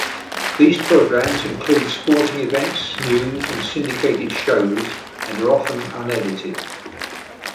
These programs include sporting events, news, and syndicated shows and are often unedited.